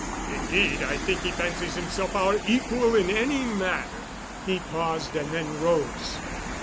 Indeed, I think he fancies himself our equal in any matter." He paused and then rose.